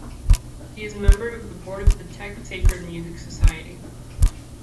She is member of the Board of the Czech Sacred Music Society.